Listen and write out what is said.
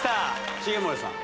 重盛さん